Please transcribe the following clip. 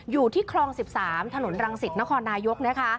อยู่ที่คลอง๑๓ถนนรังสิตนครนายกนะคะ